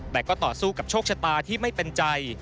แต่ก็ต่อสู้กับโชคชะตาที่ไม่เป็นใจ